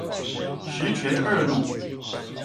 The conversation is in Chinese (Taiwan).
十全二路